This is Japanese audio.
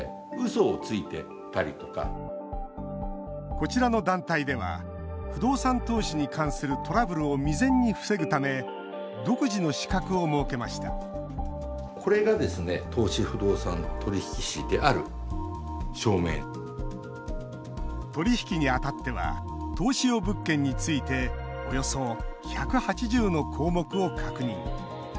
こちらの団体では不動産投資に関するトラブルを未然に防ぐため独自の資格を設けました取り引きに当たっては投資用物件についておよそ１８０の項目を確認。